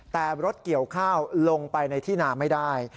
แต่รถเกี่ยวข้าวลงไปในที่นาไม่ได้